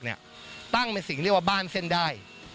ตั้งเป็นสิ่งเรียกว่าบ้านเส้นได้